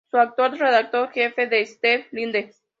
Su actual redactor jefe es Steve Linde.